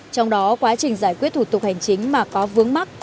trong đó quá trình giải quyết thủ tục hành chính mà có vướng mắt